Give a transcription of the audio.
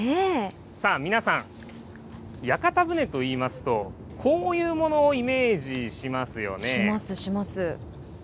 さあ、皆さん、屋形船といいますと、こういうものをイメージしまします、します。